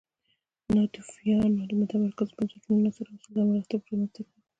ناتوفیانو د متمرکزو بنسټونو عناصر او سلسله مراتب رامنځته کړل